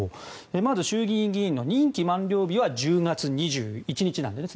まず、衆議院議員の任期満了は１０月２１日なんです。